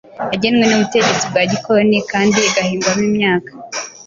yagenwe n'ubutegetsi bwa gikoloni kandi igahingwamo imyaka